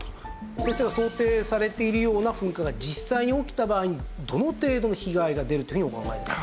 先生が想定されているような噴火が実際に起きた場合にどの程度被害が出るというふうにお考えですか？